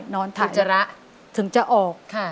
นอนถ่ายถึงจะระค่ะถึงจะออก